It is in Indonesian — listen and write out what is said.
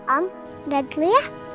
om udah dulu ya